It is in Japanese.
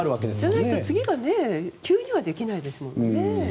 じゃないと、次がね。急にはできないですから。